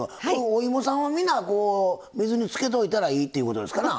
おいもさんはみんな水につけといたらいいっていうことですかな？